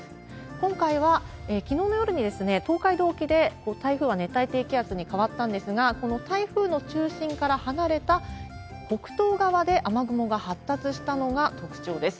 今回は、きのうの夜に東海道沖で台風は熱帯低気圧に変わったんですが、この台風の中心から離れた北東側で雨雲が発達したのが特徴です。